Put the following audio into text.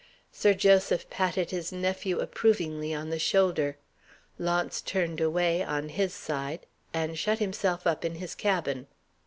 Sir Joseph patted his nephew approvingly on the shoulder. Launce turned away on his side, and shut himself up in his cabin.